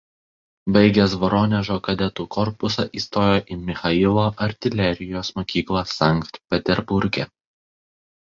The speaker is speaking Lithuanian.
Baigęs Voronežo kadetų korpusą įstojo į Michailo artilerijos mokyklą Sankt Peterburge.